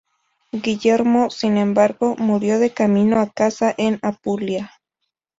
Guillermo, sin embargo, murió de camino a casa en Apulia.